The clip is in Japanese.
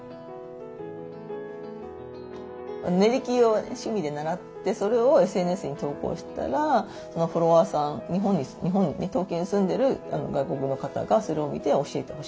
練り切りを趣味で習ってそれをＳＮＳに投稿したらフォロワーさん日本に東京に住んでる外国の方がそれを見て教えてほしいと。